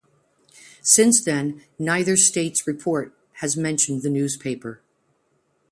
Since then, neither state's report has mentioned the newspaper.